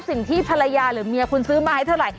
สิ่งที่ภรรยาหรือเมียคุณซื้อมาให้เท่าไหร